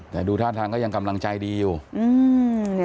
แต่ดูท่าทางก็ยังกำลังใจดีอยู่อืม